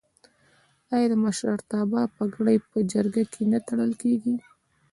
آیا د مشرتابه پګړۍ په جرګه کې نه تړل کیږي؟